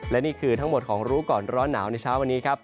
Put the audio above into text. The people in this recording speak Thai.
และนี่คือทั้งหมดของรู้ก่อนร้อนหนาวในเช้าวันนี้ครับ